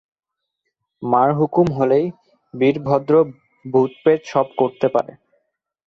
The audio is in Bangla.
মার হুকুম হলেই বীরভদ্র ভূতপ্রেত সব করতে পারে।